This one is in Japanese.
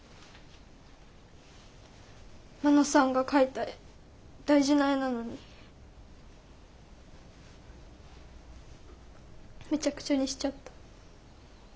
真野さんが描いた絵大事な絵なのにめちゃくちゃにしちゃった。